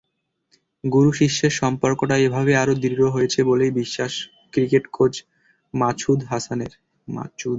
গুরু-শিষ্যের সম্পর্কটা এভাবেই আরও দৃঢ় হয়েছে বলেই বিশ্বাস ক্রিকেট কোচ মাসুদ হাসানের।